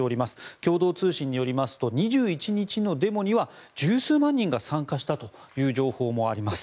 共同通信によりますと２１日のデモには１０数万人が参加したという情報もあります。